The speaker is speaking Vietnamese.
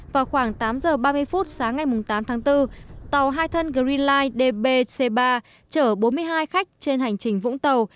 vào khoảng tám h ba mươi phút sáng ngày tám tháng bốn tàu hai thân greenline db c ba chở bốn mươi hai khách trên hành trình vũng tàu